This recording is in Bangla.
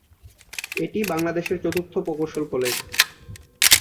এটি বাংলাদেশের চতুর্থ প্রকৌশল কলেজ।